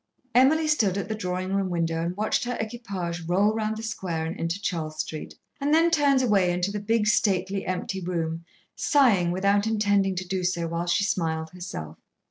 Emily stood at the drawing room window and watched her equipage roll round the square and into Charles Street, and then turned away into the big, stately empty room, sighing without intending to do so while she smiled herself.